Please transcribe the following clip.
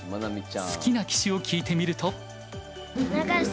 好きな棋士を聞いてみると。